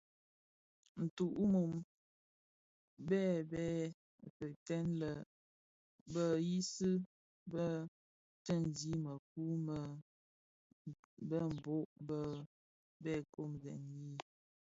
Ntug wu bum bë bè fèëfèg lè bi dhiyis bö tseghi mëtug me bhehho bum bë komzèn ňyi.